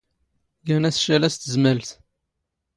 ⴳⴰⵏ ⴰⵙ ⵛⴰⵍⴰ ⵙ ⵜⵣⵎⴰⵍⵜ.